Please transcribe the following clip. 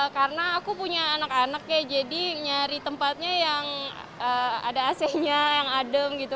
karena aku punya anak anaknya jadi nyari tempatnya yang ada ac nya yang adem gitu